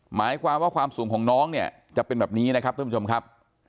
หมายความว่าความสูงของน้องเนี่ยจะเป็นแบบนี้นะครับท่านผู้ชมครับ